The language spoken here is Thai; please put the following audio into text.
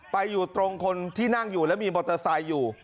ไปอยู่ตรงคนที่นั่งอยู่แล้วมีมอเตอร์ไซค์อยู่